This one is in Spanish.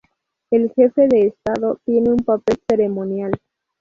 El jefe de estado tiene un papel ceremonial.